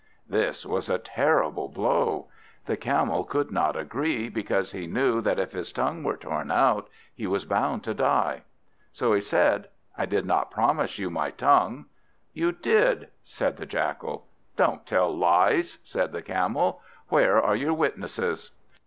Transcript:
This was a terrible blow. The Camel could not agree, because he knew that if his tongue were torn out, he was bound to die. So he said, "I did not promise you my tongue." "You did," said the Jackal. "Don't tell lies," said the Camel; "where are your witnesses?"